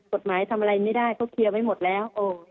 ทำอะไรไม่ได้เขาเคลียร์ไว้หมดแล้ว